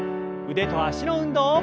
腕と脚の運動。